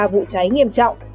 vụ cháy nghiêm trọng